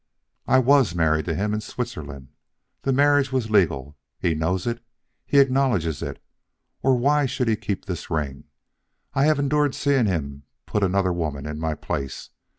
"I was married to him in Switzerland. The marriage was legal; he knows it, he acknowledges it, or why should he keep this ring. I have endured seeing him put another woman in my place.